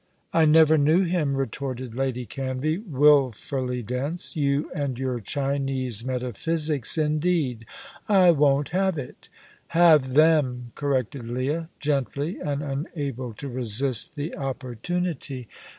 "I never knew him," retorted Lady Canvey, wilfully dense. "You and your Chinese metaphysics indeed! I won't have it " "Have them," corrected Leah, gently, and unable to resist the opportunity.